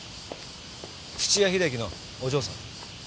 土屋秀樹のお嬢さん。